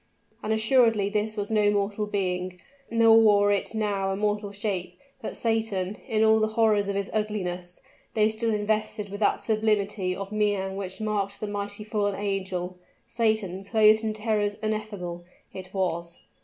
And assuredly this was no mortal being nor wore it now a mortal shape but Satan in all the horrors of his ugliness, though still invested with that sublimity of mien which marked the mighty fallen angel Satan, clothed in terrors ineffable, it was.